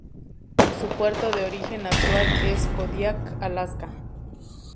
Su puerto de origen actual es Kodiak, Alaska.